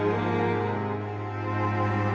saat hujan baby premier